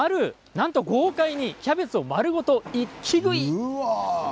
なんと豪快に、キャベツを丸ごと一気食いです。